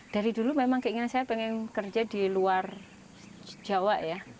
dari dulu memang keinginan saya pengen kerja di luar jawa ya